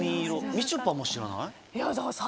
みちょぱも知らない？